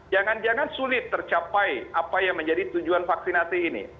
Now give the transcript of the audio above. jangan jangan sulit tercapai apa yang menjadi tujuan vaksinasi ini